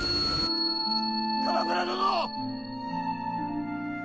鎌倉殿！